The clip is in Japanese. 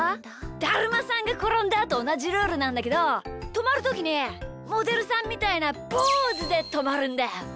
「だるまさんがころんだ」とおなじルールなんだけどとまるときにモデルさんみたいなポーズでとまるんだよ。